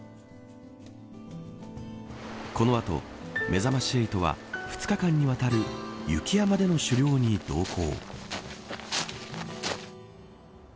この後、めざまし８は２日間にわたる雪山での狩猟に同行。